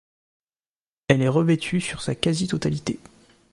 Elle est revêtue sur sa quasi-totalité.